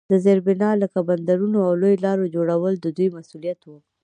د زیربنا لکه بندرونو او لویو لارو جوړول د دوی مسوولیت وو.